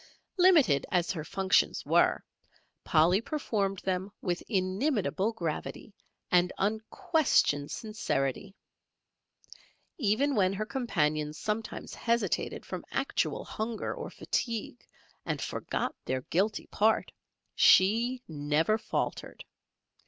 Limited as her functions were, Polly performed them with inimitable gravity and unquestioned sincerity. Even when her companions sometimes hesitated from actual hunger or fatigue and forgot their guilty part, she never faltered.